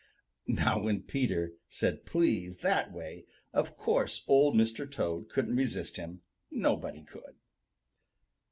Now when Peter said please that way, of course Old Mr. Toad couldn't resist him. Nobody could.